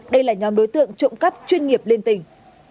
đây là nhóm đối tượng trộm cắp chuyên nghiệp liên tỉnh